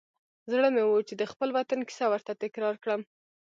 زړه مې و چې د خپل وطن کیسه ورته تکرار کړم.